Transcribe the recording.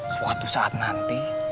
suatu saat nanti